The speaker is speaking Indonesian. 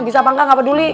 bisa apa enggak gak peduli